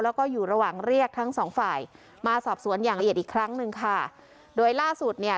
แล้วก็อยู่ระหว่างเรียกทั้งสองฝ่ายมาสอบสวนอย่างละเอียดอีกครั้งหนึ่งค่ะโดยล่าสุดเนี่ย